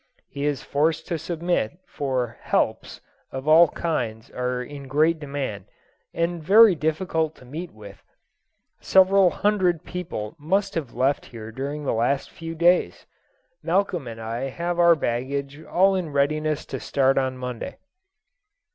He is forced to submit, for "helps" of all kinds are in great demand, and very difficult to meet with. Several hundred people must have left here during the last few days. Malcolm and I have our baggage all in readiness to start on Monday.